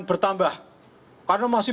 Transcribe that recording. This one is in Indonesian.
bertambah karena masih